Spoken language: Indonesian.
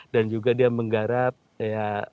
dan juga dia menggarap ya